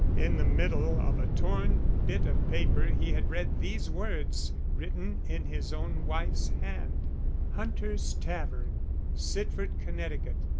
In the middle of a torn bit of paper he had read these words written in his own wife's hand: Hunter's Tavern, Sitford, Connecticut.